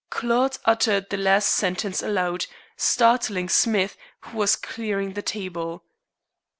Claude uttered the last sentence aloud, startling Smith, who was clearing the table.